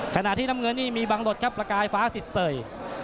ขณะที่น้ำเงินนี่มีบังหลดครับประกายฟ้าสิทธิ์เสย